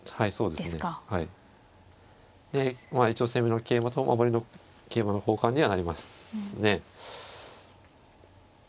でまあ一応攻めの桂馬と守りの桂馬の交換にはなりますね。